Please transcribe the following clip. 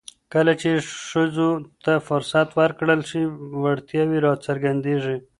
کله چې ښځو ته فرصت ورکړل شي، وړتیاوې راڅرګندېږي.